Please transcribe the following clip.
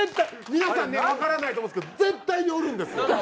皆さんねわからないと思うんですけど絶対におるんですよ。